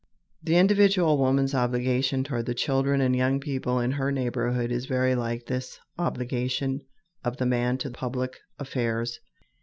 The individual woman's obligation toward the children and young people in her neighborhood is very like this obligation of the man to public affairs.